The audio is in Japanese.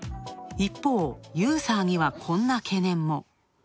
一方、ユーザーにはこんな懸念も。